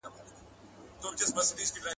خو دا یو هم زموږ د عمر سرمنزل نه سي ټاکلای !.